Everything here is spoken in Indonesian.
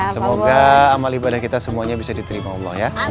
semoga amal ibadah kita semuanya bisa diterima allah ya